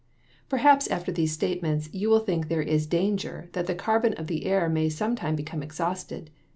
Perhaps, after these statements, you may think there is danger that the carbon of the air may sometime become exhausted.